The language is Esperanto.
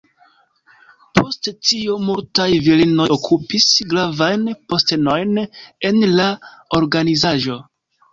Post tio multaj virinoj okupis gravajn postenojn en la organizaĵo.